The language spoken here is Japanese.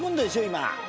今。